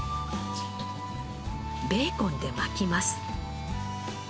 ベーコンで巻きます。